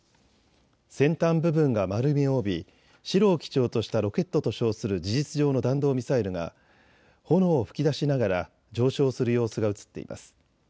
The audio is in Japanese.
先端部分が丸みを帯び白を基調としたロケットと称する事実上の弾道ミサイルが炎を吹き出しながら上昇する様子が写っています。